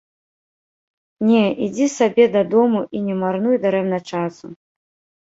Не, ідзі сабе дадому і не марнуй дарэмна часу.